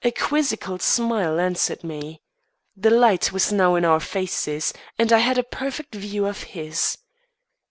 A quizzical smile answered me. The light was now in our faces, and I had a perfect view of his.